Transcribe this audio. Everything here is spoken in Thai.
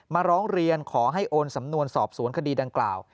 ร้องเรียนขอให้โอนสำนวนสอบสวนคดีดังกล่าว